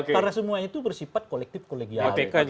karena semua itu bersifat kolektif kologial